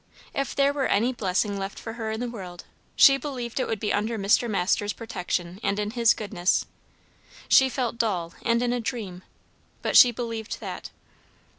If there were any blessing left for her in the world, she believed it would be under Mr. Masters' protection and in his goodness. She felt dull and in a dream, but she believed that.